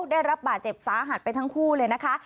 ได้รับบาดเจ็บสาหัสไปทั้งคู่เลยนะคะ